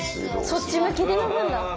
そっち向きで読むんだ。